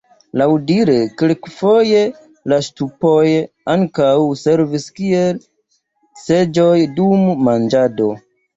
Laŭdire kelkfoje la ŝtupoj ankaŭ servis kiel seĝoj dum manĝado.